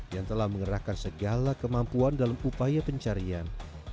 yang telah mengerahkan segala kemampuan dalam upaya pencarian